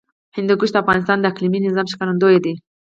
هندوکش د افغانستان د اقلیمي نظام ښکارندوی ده.